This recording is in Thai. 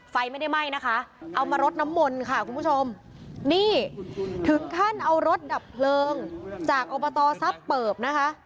ไฟไม่ได้ไหม้นะคะเอามารดน้ำมนต์ค่ะคุณผู้ชมนี่ถึงขั้นเอารถดับเพลิงจากอบตทรัพย์เปิบนะคะ